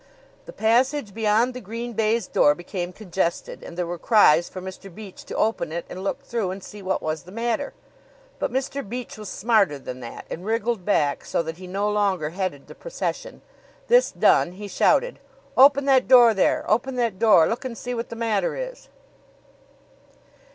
The passage beyond the green baize door became congested, and there were cries for Mr. Beach to open it and look through and see what was the matter; but Mr. Beach was smarter than that and wriggled back so that he no longer headed the procession. This done, he shouted: "Open that door there! Open that door! Look and see what the matter is."